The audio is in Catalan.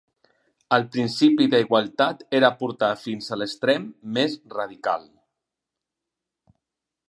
El principi d'igualtat era portat fins a l'extrem més radical.